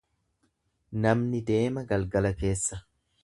Namni deema galgala keessa.